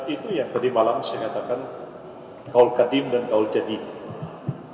itu yang tadi malam saya katakan kaul kadim dan kaul jadi